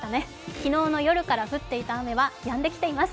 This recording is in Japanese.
昨日の夜から降っていた雨はやんできています。